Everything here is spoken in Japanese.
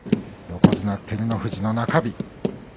横綱・照ノ富士の中日。